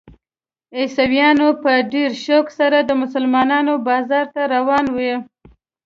عیسویان په ډېر شوق سره د مسلمانانو بازار ته روان وي.